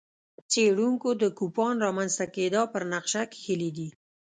څېړونکو د کوپان رامنځته کېدا پر نقشه کښلي دي.